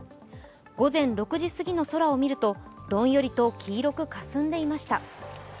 午前６時すぎの空を見るとどんよりと黄色くかすんでいました。